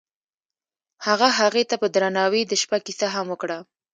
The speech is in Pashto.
هغه هغې ته په درناوي د شپه کیسه هم وکړه.